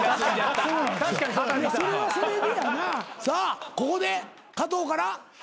さあここで加藤から。